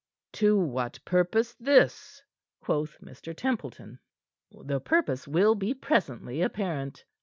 "To what purpose, this?" quoth Mr. Templeton. "The purpose will be presently apparent.